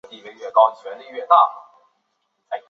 爱尔兰皇家外科医学院位于爱尔兰的都柏林市。